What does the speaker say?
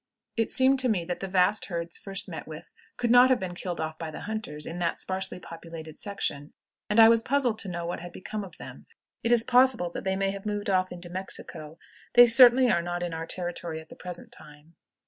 It seemed to me that the vast herds first met with could not have been killed off by the hunters in that sparsely populated section, and I was puzzled to know what had become of them. It is possible they may have moved off into Mexico; they certainly are not in our territory at the present time.